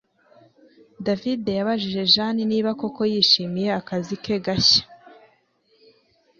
David yabajije Jane niba koko yishimiye akazi ke gashya